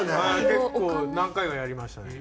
結構何回もやりましたね。